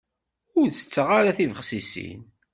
Ur tetteɣ ara tibexsisin.